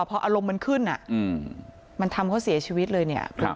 พออารมณ์มันขึ้นมันทำเขาเสียชีวิตเลยเนี่ย